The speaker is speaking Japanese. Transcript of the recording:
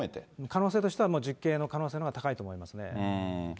可能性としては実刑の可能性のほうが高いと思いますね。